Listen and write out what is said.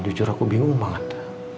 jujur aku bingung banget